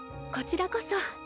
こちらこそ。